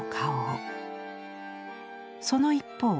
その一方